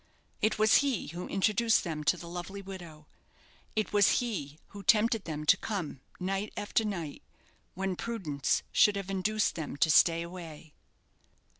It was he who introduced them to the lovely widow. It was he who tempted them to come night after night, when prudence should have induced them to stay away.